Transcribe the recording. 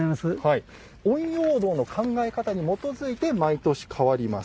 陰陽道の考え方に基づいて毎年変わります。